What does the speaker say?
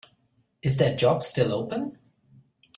Is that job still open?